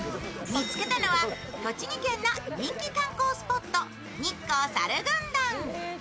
見つけたのは栃木県の人気観光スポット、日光さる軍団。